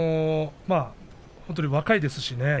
本当に若いですしね